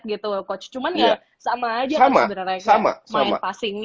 tapi tidak sama dengan game ini